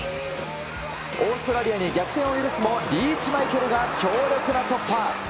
オーストラリアに逆転を許すも、リーチマイケルが強力な突破。